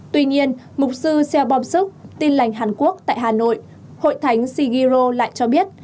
tuy nhiên mục sư seo bom suk tin lành hàn quốc tại hà nội hội thánh sigi ro lại cho biết